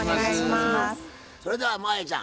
それでは真彩ちゃん